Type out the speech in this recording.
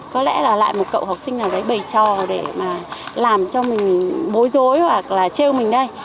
có lẽ là lại một cậu học sinh nào đấy bày trò để mà làm cho mình bối rối hoặc là treo mình đây